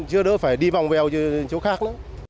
chứ đâu phải đi vòng vèo chỗ khác nữa